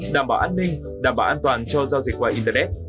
đảm bảo an ninh đảm bảo an toàn cho giao dịch qua internet